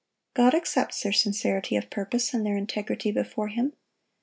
God accepts their sincerity of purpose and their integrity before Him.